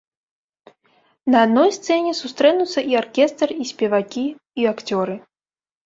На адной сцэне сустрэнуцца і аркестр, і спевакі, і акцёры.